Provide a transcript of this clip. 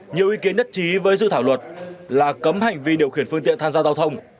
nhiều ý kiến nhất trí với dự thảo luật là cấm hành vi điều khiển phương tiện tham gia giao thông